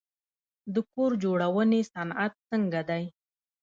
د کور جوړونې صنعت څنګه دی؟